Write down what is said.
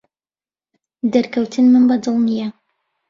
دەرکەوتنمم بەدڵ نییە.